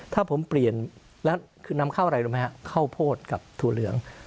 ถ้าผมเปลี่ยนแล้วคือนำเข้าอะไรรู้ไหมฮะข้าวโพดกับถั่วเหลือง